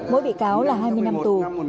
mỗi bị cáo là hai mươi năm tù